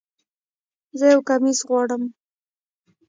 زه یو کمیس غواړم